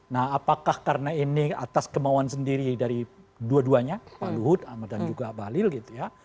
nah apakah karena ini atas kemauan sendiri dari dua duanya pak luhut dan juga balil gitu ya